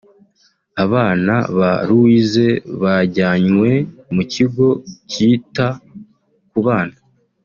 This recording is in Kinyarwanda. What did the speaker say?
Abana ba Louise bajyanywe mu kigo kita ku bana